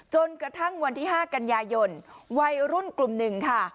จนกระทั่งวันที่๕กันยายนวัยรุ่นกลุ่มหนึ่งค่ะ